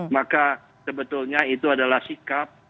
maka sebetulnya itu adalah sikap